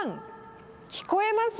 聞こえます？